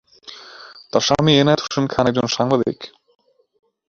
তার স্বামী এনায়েত হোসেন খান একজন সাংবাদিক।